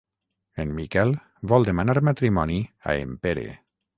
En Miquel vol demanar matrimoni a en Pere.